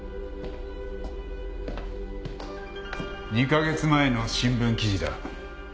２カ月前の新聞記事だ。